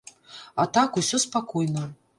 А так усё спакойна.